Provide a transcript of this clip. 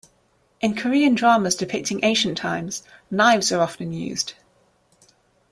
In Korean dramas depicting ancient times, knives are often used.